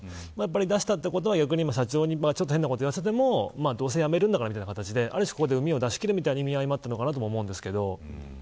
出したということは社長に変なこと言わせてもどうせ辞めるんだからという感じでここでうみを出し切るというところもあったと思います。